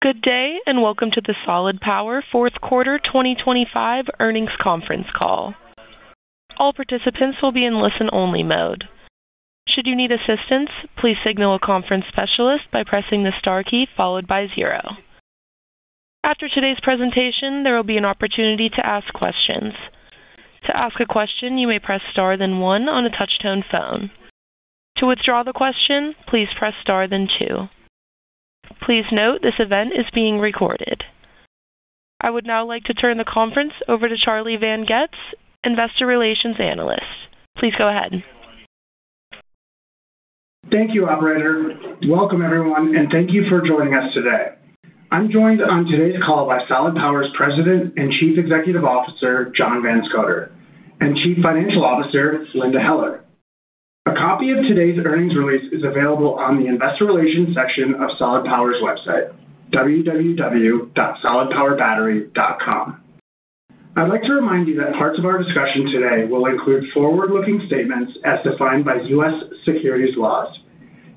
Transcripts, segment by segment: Good day, welcome to the Solid Power Fourth Quarter 2025 Earnings Conference Call. All participants will be in listen-only mode. Should you need assistance, please signal a conference specialist by pressing the star key followed by zero. After today's presentation, there will be an opportunity to ask questions. To ask a question, you may press star then one on a touch-tone phone. To withdraw the question, please press star then two. Please note, this event is being recorded. I would now like to turn the conference over to Charlie Van Goetz, Investor Relations Analyst. Please go ahead. Thank you, operator. Welcome, everyone, and thank you for joining us today. I'm joined on today's call by Solid Power's President and Chief Executive Officer, John Van Scoter, and Chief Financial Officer, Linda Heller. A copy of today's earnings release is available on the investor relations section of Solid Power's website, www.solidpowerbattery.com. I'd like to remind you that parts of our discussion today will include forward-looking statements as defined by U.S. securities laws.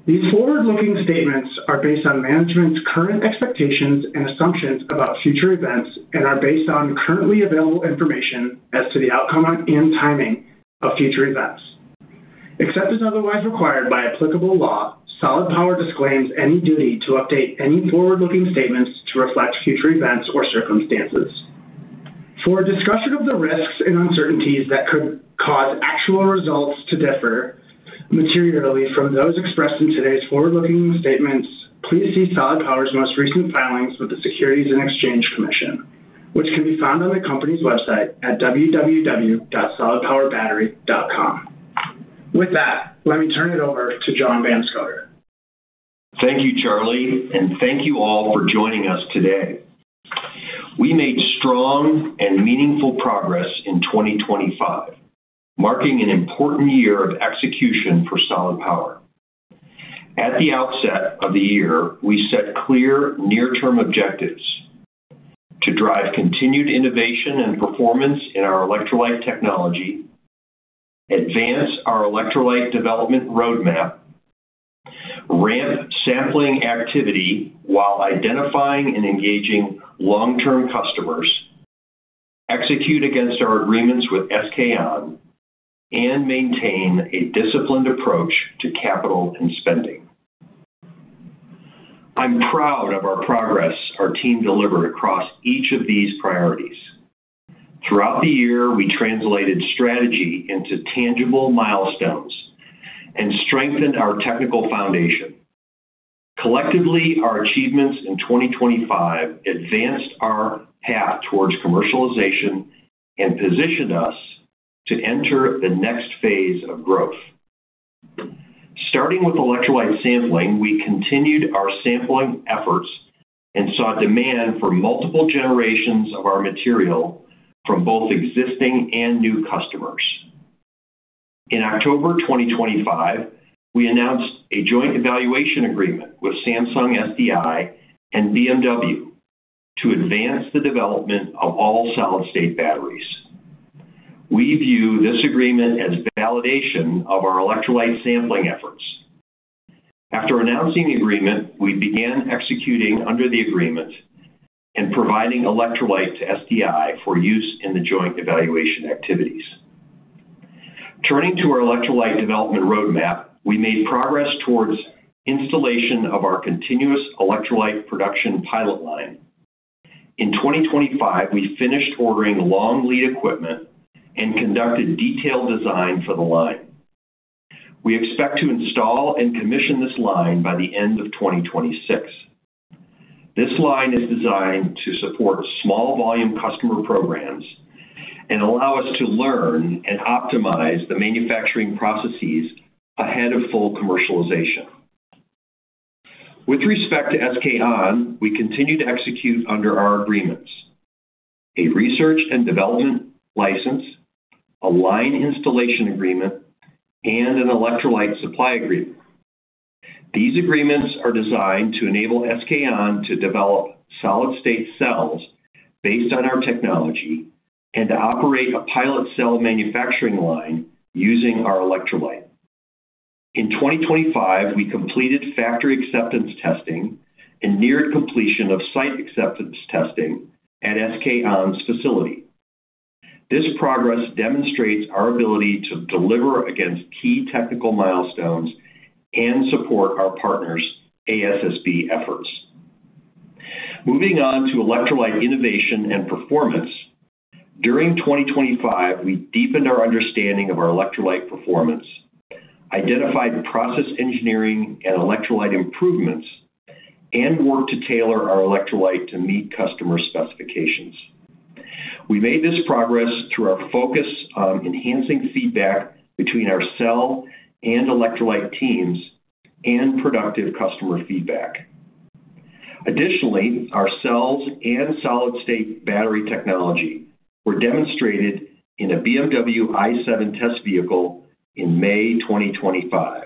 These forward-looking statements are based on management's current expectations and assumptions about future events and are based on currently available information as to the outcome and timing of future events. Except as otherwise required by applicable law, Solid Power disclaims any duty to update any forward-looking statements to reflect future events or circumstances. For a discussion of the risks and uncertainties that could cause actual results to differ materially from those expressed in today's forward-looking statements, please see Solid Power's most recent filings with the Securities and Exchange Commission, which can be found on the company's website at www.solidpowerbattery.com. With that, let me turn it over to John Van Scoter. Thank you, Charlie, and thank you all for joining us today. We made strong and meaningful progress in 2025, marking an important year of execution for Solid Power. At the outset of the year, we set clear near-term objectives: to drive continued innovation and performance in our electrolyte technology, advance our electrolyte development roadmap, ramp sampling activity while identifying and engaging long-term customers, execute against our agreements with SK On, and maintain a disciplined approach to capital and spending. I'm proud of our progress our team delivered across each of these priorities. Throughout the year, we translated strategy into tangible milestones and strengthened our technical foundation. Collectively, our achievements in 2025 advanced our path towards commercialization and positioned us to enter the next phase of growth. Starting with electrolyte sampling, we continued our sampling efforts and saw demand for multiple generations of our material from both existing and new customers. In October 2025, we announced a Joint Evaluation Agreement with Samsung SDI and BMW to advance the development of All-Solid-State Batteries. We view this agreement as validation of our electrolyte sampling efforts. After announcing the agreement, we began executing under the agreement and providing electrolyte to SDI for use in the joint evaluation activities. Turning to our electrolyte development roadmap, we made progress towards installation of our continuous electrolyte production pilot line. In 2025, we finished ordering long-lead equipment and conducted detailed design for the line. We expect to install and commission this line by the end of 2026. This line is designed to support small-volume customer programs and allow us to learn and optimize the manufacturing processes ahead of full commercialization. With respect to SK On, we continue to execute under our agreements: a research and development license, a line installation agreement, and an electrolyte supply agreement. These agreements are designed to enable SK On to develop solid-state cells based on our technology and to operate a pilot cell manufacturing line using our electrolyte. In 2025, we completed factory acceptance testing and neared completion of site acceptance testing at SK On's facility. This progress demonstrates our ability to deliver against key technical milestones and support our partners' ASSB efforts. Moving on to electrolyte innovation and performance, during 2025, we deepened our understanding of our electrolyte performance, identified process engineering and electrolyte improvements, and worked to tailor our electrolyte to meet customer specifications. We made this progress through our focus on enhancing feedback between our cell and electrolyte teams and productive customer feedback. Additionally, our cells and solid-state battery technology were demonstrated in a BMW i7 test vehicle in May 2025.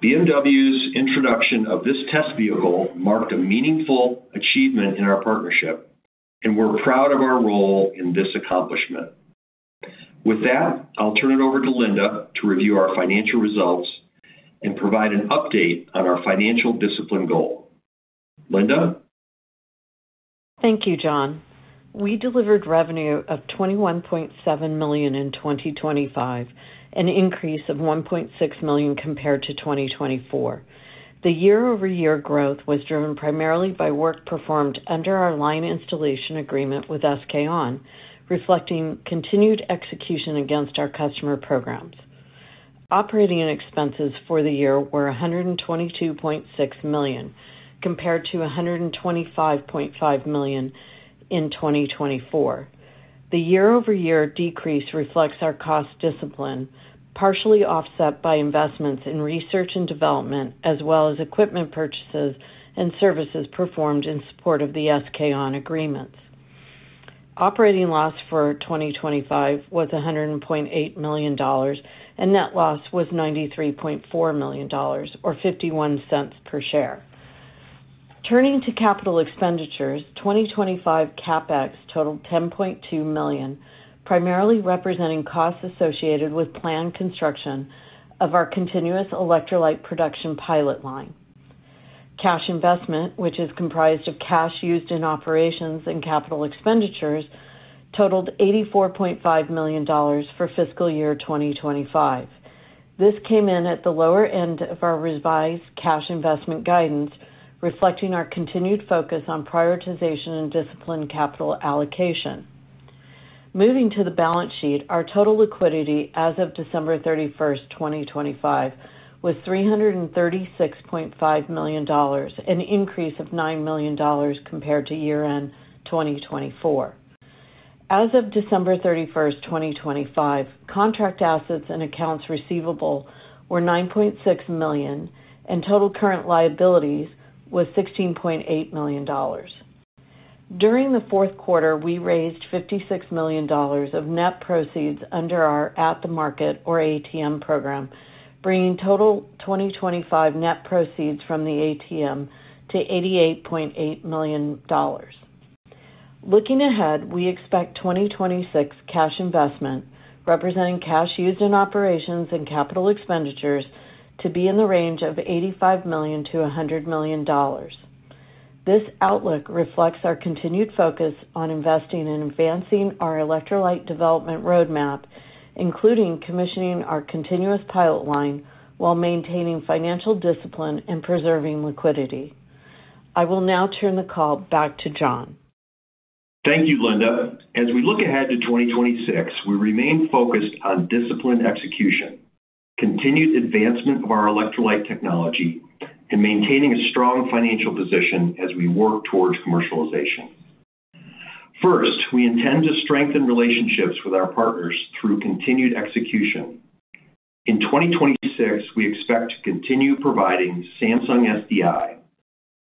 BMW's introduction of this test vehicle marked a meaningful achievement in our partnership, and we're proud of our role in this accomplishment. With that, I'll turn it over to Linda to review our financial results and provide an update on our financial discipline goal. Linda? Thank you, John. We delivered revenue of $21.7 million in 2025, an increase of $1.6 million compared to 2024. The year-over-year growth was driven primarily by work performed under our line installation agreement with SK On, reflecting continued execution against our customer programs. Operating expenses for the year were $122.6 million, compared to $125.5 million in 2024. The year-over-year decrease reflects our cost discipline, partially offset by investments in research and development, as well as equipment purchases and services performed in support of the SK On agreements. Operating loss for 2025 was $100.8 million, and net loss was $93.4 million, or $0.51 per share. Turning to capital expenditures, 2025 CapEx totaled $10.2 million, primarily representing costs associated with planned construction of our continuous electrolyte production pilot line. Cash investment, which is comprised of cash used in operations and capital expenditures, totaled $84.5 million for fiscal year 2025. This came in at the lower end of our revised cash investment guidance, reflecting our continued focus on prioritization and disciplined capital allocation. Moving to the balance sheet, our total liquidity as of December 31, 2025, was $336.5 million, an increase of $9 million compared to year-end 2024. As of December 31, 2025, contract assets and accounts receivable were $9.6 million, and total current liabilities was $16.8 million. During the fourth quarter, we raised $56 million of net proceeds under our At the Market, or ATM program, bringing total 2025 net proceeds from the ATM to $88.8 million. Looking ahead, we expect 2026 cash investment, representing cash used in operations and CapEx, to be in the range of $85 million-$100 million. This outlook reflects our continued focus on investing in advancing our electrolyte development roadmap, including commissioning our continuous pilot line while maintaining financial discipline and preserving liquidity. I will now turn the call back to John. Thank you, Linda. As we look ahead to 2026, we remain focused on disciplined execution, continued advancement of our electrolyte technology, and maintaining a strong financial position as we work towards commercialization. First, we intend to strengthen relationships with our partners through continued execution. In 2026, we expect to continue providing Samsung SDI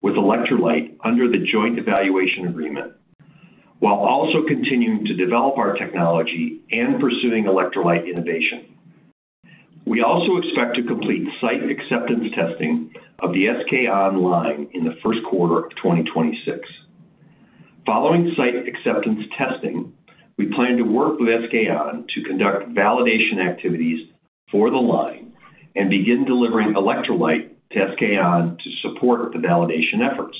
with electrolyte under the Joint Evaluation Agreement, while also continuing to develop our technology and pursuing electrolyte innovation. We also expect to complete site acceptance testing of the SK On line in the 1st quarter of 2026. Following site acceptance testing, we plan to work with SK On to conduct validation activities for the line and begin delivering electrolyte to SK On to support the validation efforts.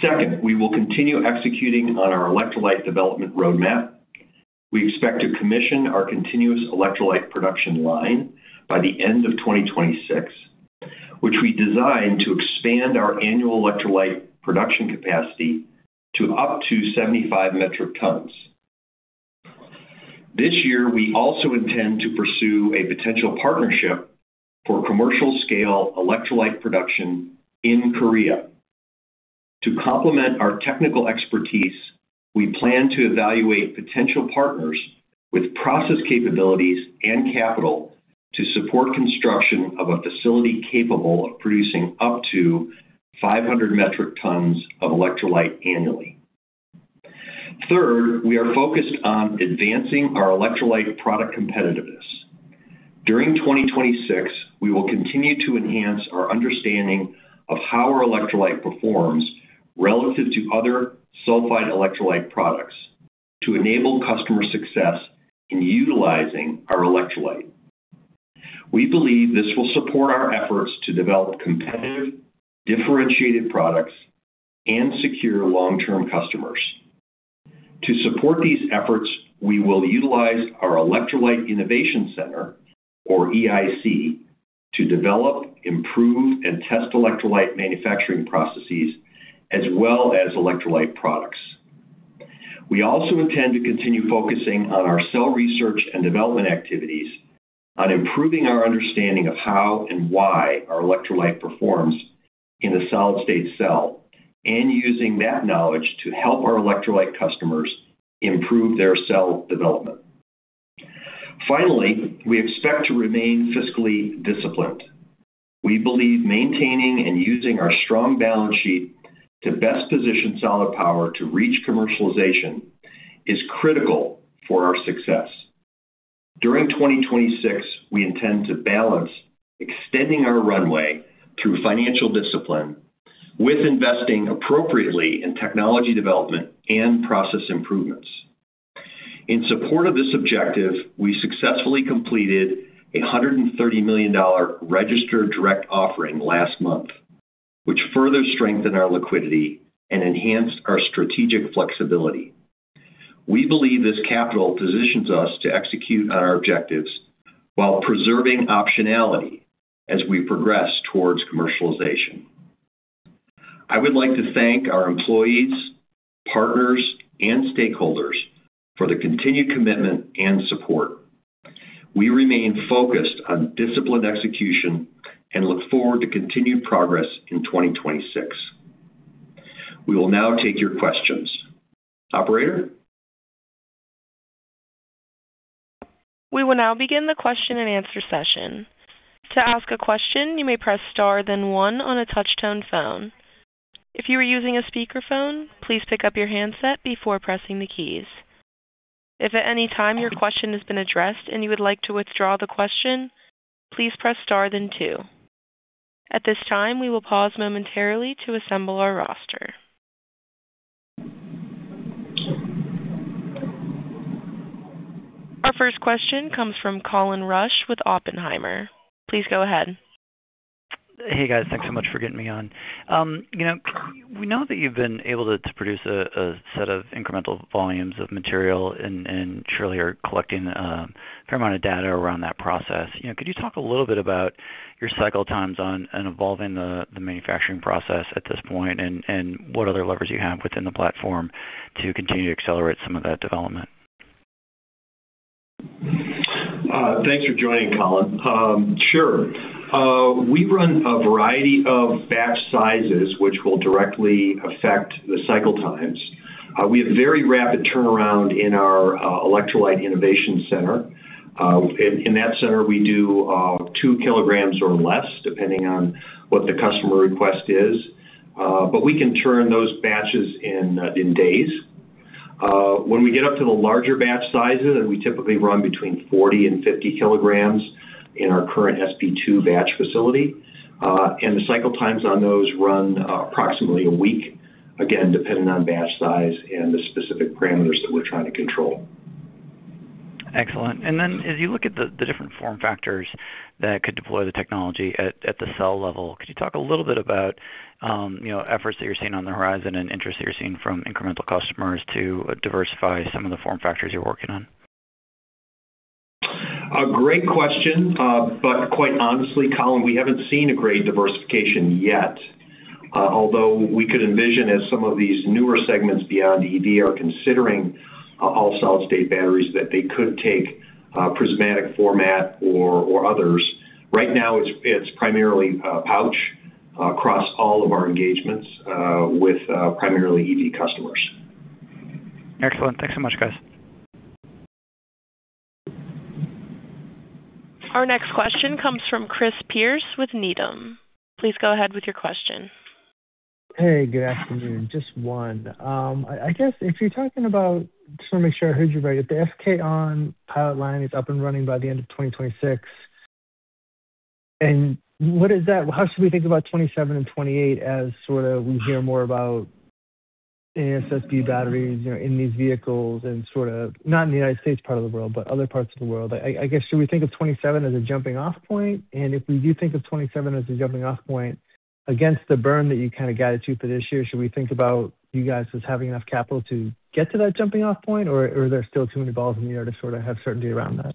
Second, we will continue executing on our electrolyte development roadmap. We expect to commission our continuous electrolyte production line by the end of 2026, which we designed to expand our annual electrolyte production capacity to up to 75 metric tons. This year, we also intend to pursue a potential partnership for commercial scale electrolyte production in Korea. To complement our technical expertise, we plan to evaluate potential partners with process capabilities and capital to support construction of a facility capable of producing up to 500 metric tons of electrolyte annually. Third, we are focused on advancing our electrolyte product competitiveness. During 2026, we will continue to enhance our understanding of how our electrolyte performs relative to other sulfide electrolyte products to enable customer success in utilizing our electrolyte. We believe this will support our efforts to develop competitive, differentiated products and secure long-term customers. To support these efforts, we will utilize our Electrolyte Innovation Center, or EIC, to develop, improve, and test electrolyte manufacturing processes as well as electrolyte products. We also intend to continue focusing on our cell research and development activities, on improving our understanding of how and why our electrolyte performs in a solid-state cell, and using that knowledge to help our electrolyte customers improve their cell development. Finally, we expect to remain fiscally disciplined. We believe maintaining and using our strong balance sheet to best position Solid Power to reach commercialization is critical for our success. During 2026, we intend to balance extending our runway through financial discipline with investing appropriately in technology development and process improvements. In support of this objective, we successfully completed a $130 million registered direct offering last month, which further strengthened our liquidity and enhanced our strategic flexibility. We believe this capital positions us to execute on our objectives while preserving optionality as we progress towards commercialization. I would like to thank our employees, partners, and stakeholders for their continued commitment and support. We remain focused on disciplined execution and look forward to continued progress in 2026. We will now take your questions. Operator? We will now begin the question and answer session. To ask a question, you may press star then one on a touch-tone phone. If you are using a speakerphone, please pick up your handset before pressing the keys. If at any time your question has been addressed and you would like to withdraw the question, please press star then two. At this time, we will pause momentarily to assemble our roster. Our first question comes from Colin Rusch with Oppenheimer. Please go ahead. Hey, guys. Thanks so much for getting me on. You know, we know that you've been able to produce a set of incremental volumes of material and surely are collecting a fair amount of data around that process. You know, could you talk a little bit about your cycle times on and evolving the manufacturing process at this point, and what other levers you have within the platform to continue to accelerate some of that development? Thanks for joining, Colin. Sure. We run a variety of batch sizes, which will directly affect the cycle times. We have very rapid turnaround in our Electrolyte Innovation Center. In that center, we do 2 kg or less, depending on what the customer request is. We can turn those batches in days. When we get up to the larger batch sizes, and we typically run between 40 and 50 kg in our current SP2 batch facility, and the cycle times on those run approximately one week, again, depending on batch size and the specific parameters that we're trying to control. Excellent. Then as you look at the different form factors that could deploy the technology at the cell level, could you talk a little bit about, you know, efforts that you're seeing on the horizon and interest that you're seeing from incremental customers to diversify some of the form factors you're working on? A great question, but quite honestly, Colin, we haven't seen a great diversification yet. Although we could envision, as some of these newer segments beyond EV are considering, all solid-state batteries, that they could take prismatic format or others. Right now, it's primarily pouch across all of our engagements, with primarily EV customers. Excellent. Thanks so much, guys. Our next question comes from Chris Pierce with Needham. Please go ahead with your question. Hey, good afternoon. Just one. I guess if you're talking about... Just wanna make sure I heard you right, if the SK On pilot line is up and running by the end of 2026, how should we think about 2027 and 2028 as sort of, we hear more about ASSB batteries, you know, in these vehicles and sort of, not in the United States part of the world, but other parts of the world? I guess, should we think of 2027 as a jumping-off point? If we do think of 2027 as a jumping-off point, against the burn that you kind of guided to for this year, should we think about you guys as having enough capital to get to that jumping-off point, or are there still too many balls in the air to sort of have certainty around that?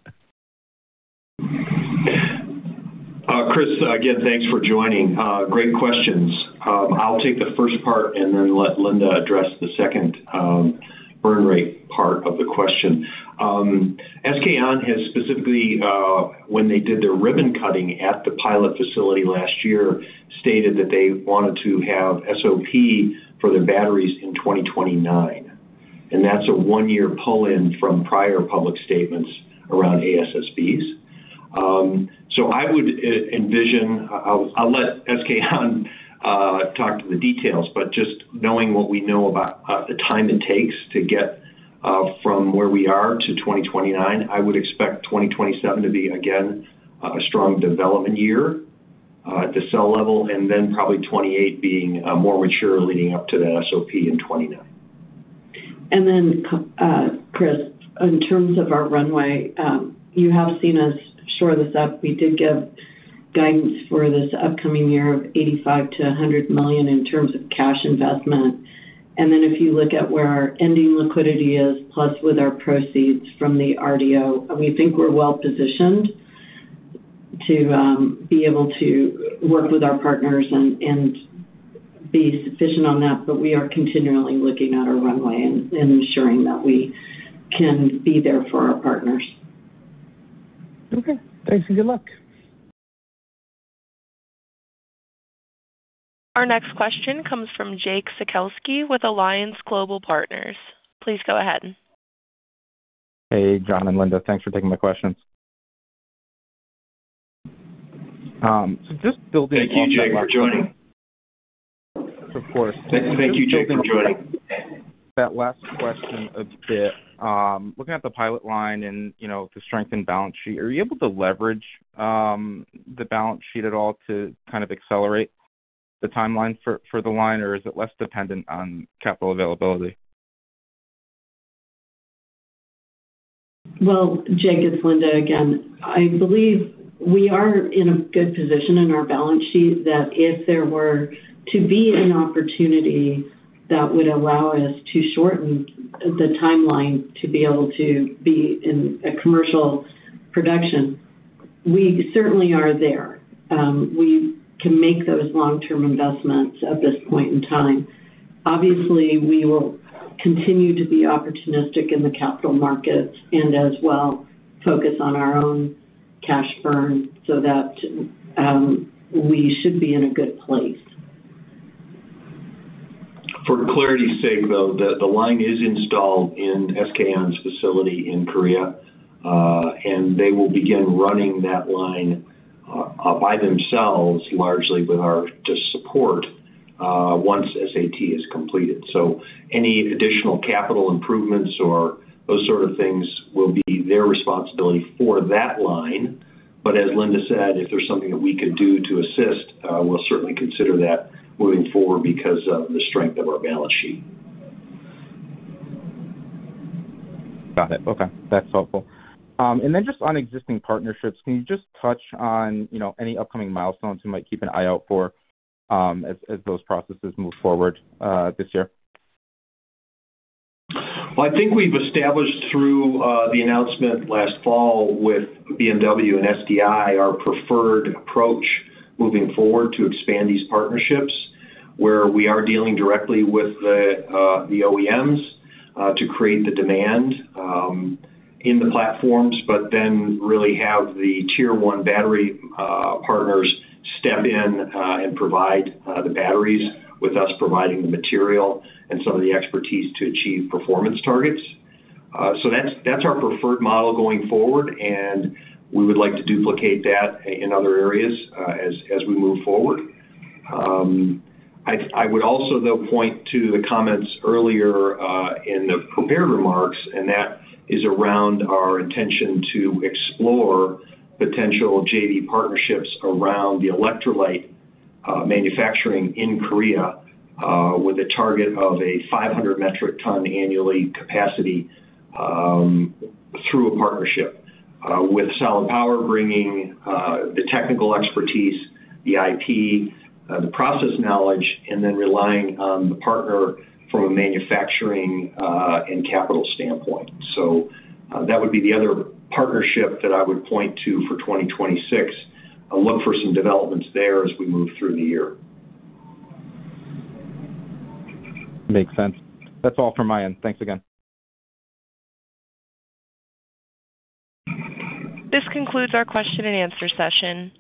Chris, again, thanks for joining. Great questions. I'll take the first part and then let Linda address the second, burn rate part of the question. SK On has specifically, when they did their ribbon cutting at the pilot facility last year, stated that they wanted to have SOP for their batteries in 2029. That's a 1-year pull-in from prior public statements around ASSBs. I would envision, I'll let SK On talk to the details, but just knowing what we know about the time it takes to get from where we are to 2029, I would expect 2027 to be, again, a strong development year at the cell level, and then probably 2028 being more mature leading up to that SOP in 2029. Chris, in terms of our runway, you have seen us shore this up. We did give guidance for this upcoming year of $85 million-$100 million in terms of cash investment. If you look at where our ending liquidity is, plus with our proceeds from the RDO, we think we're well positioned to be able to work with our partners and be sufficient on that, but we are continually looking at our runway and ensuring that we can be there for our partners. Okay. Thanks, and good luck. Our next question comes from Jake Sekelsky with Alliance Global Partners. Please go ahead. Hey, John and Linda, thanks for taking my questions. Thank you, Jake, for joining. Of course. Thank you, Jake, for joining. That last question a bit, looking at the pilot line and, you know, the strength and balance sheet, are you able to leverage the balance sheet at all to kind of accelerate the timeline for the line, or is it less dependent on capital availability? Jake, it's Linda again. I believe we are in a good position in our balance sheet that if there were to be an opportunity that would allow us to shorten the timeline to be able to be in a commercial production, we certainly are there. We can make those long-term investments at this point in time. Obviously, we will continue to be opportunistic in the capital markets and as well, focus on our own cash burn so that we should be in a good place. For clarity's sake, though, the line is installed in SK On's facility in Korea, and they will begin running that line by themselves, largely with our just support, once SAT is completed. Any additional capital improvements or those sort of things will be their responsibility for that line. As Linda said, if there's something that we could do to assist, we'll certainly consider that moving forward because of the strength of our balance sheet. Got it. Okay, that's helpful. Just on existing partnerships, can you just touch on, you know, any upcoming milestones we might keep an eye out for, as those processes move forward, this year? I think we've established through the announcement last fall with BMW and SDI, our preferred approach moving forward to expand these partnerships, where we are dealing directly with the OEMs to create the demand in the platforms, really have the Tier 1 battery partners step in and provide the batteries with us, providing the material and some of the expertise to achieve performance targets. That's our preferred model going forward, and we would like to duplicate that in other areas as we move forward. I would also, though, point to the comments earlier in the prepared remarks, and that is around our intention to explore potential JV partnerships around the electrolyte manufacturing in Korea, with a target of a 500 metric ton annually capacity, through a partnership with Solid Power, bringing the technical expertise, the IP, the process knowledge, and then relying on the partner from a manufacturing and capital standpoint. That would be the other partnership that I would point to for 2026. I'll look for some developments there as we move through the year. Makes sense. That's all from my end. Thanks again. This concludes our question and answer session.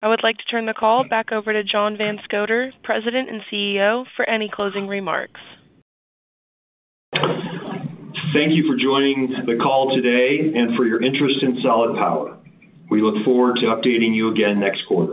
I would like to turn the call back over to John Van Scoter, President and CEO, for any closing remarks. Thank you for joining the call today and for your interest in Solid Power. We look forward to updating you again next quarter.